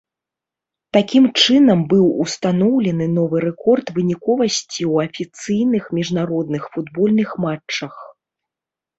Такім чынам быў устаноўлены новы рэкорд выніковасці ў афіцыйных міжнародных футбольных матчах.